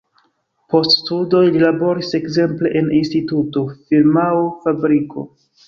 Post studoj li laboris ekzemple en instituto, firmao, fabriko.